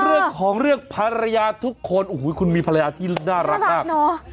เรื่องของเรื่องภรรยาทุกคนโอ้โหคุณมีภรรยาที่น่ารักมากเนอะ